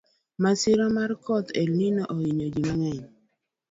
Masira mar koth elnino ohinyo ji mang’eny